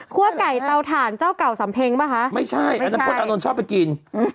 ครัวไก่เตาถ่านเจ้าเก่าสำเพ็งป่ะคะไม่ใช่จุ๊ปนั่นให้มาชอบไปกิน